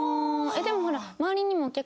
でもほら。